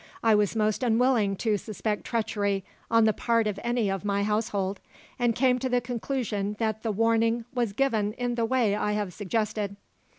I was most unwilling to suspect treachery on the part of any of my household, and came to the conclusion that the warning was given in the way I have suggested.